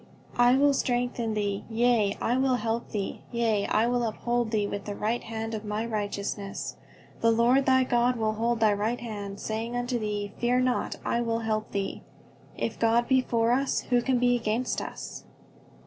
"I will strengthen thee; yea, I will help thee; yea, I will uphold thee with the right hand of my righteousness. ... The Lord thy God will hold thy right hand, saying unto thee, Fear not; I will help thee." "If God be for us, who can be against us?"